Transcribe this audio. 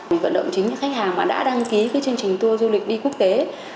mình vận động chính những khách hàng mà đã đăng ký cái chương trình tour du lịch đi quốc tế